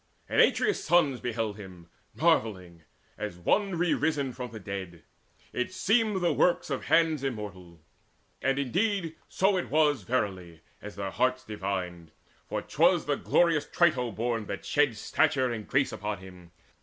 And Atreus' sons beheld him marvelling As one re risen from the dead: it seemed The work of hands immortal. And indeed So was it verily, as their hearts divined; For 'twas the glorious Trito born that shed Stature and grace upon him.